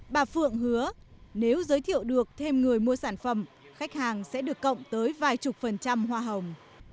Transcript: bà phượng hứa nếu giới thiệu được thêm người mua sản phẩm khách hàng sẽ được cộng tới vài chục phần trăm hoa hồng